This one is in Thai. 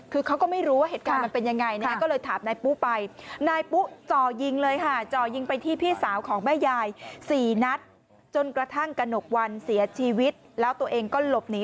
คือเขาก็ไม่รู้ว่าเหตุการณ์มันเป็นอย่างไร